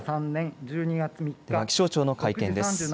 では気象庁の会見です。